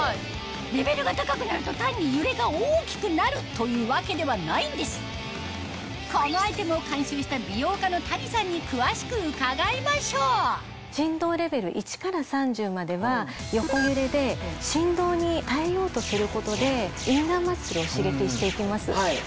レベルが高くなると単に揺れが大きくなるというわけではないんですこのアイテムを監修した美容家の谷さんに詳しく伺いましょう振動レベル１から３０までは横揺れで振動に耐えようとすることでインナーマッスルを刺激していきます。